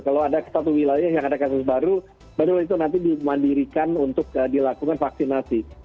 kalau ada satu wilayah yang ada kasus baru baru itu nanti dimandirikan untuk dilakukan vaksinasi